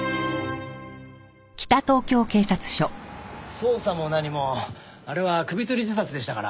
捜査も何もあれは首吊り自殺でしたから。